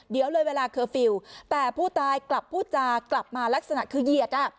เดี๋ยวเลยเวลาเคอร์ฟิลล์แต่ผู้ตายกลับพูดจากับมาลักษณะคือเหยียดอ่ะ